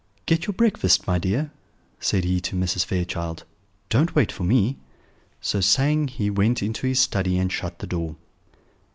"Get your breakfast, my dear," said he to Mrs. Fairchild; "don't wait for me." So saying, he went into his study and shut the door.